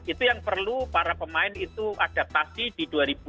itu yang perlu para pemain itu adaptasi di dua ribu dua puluh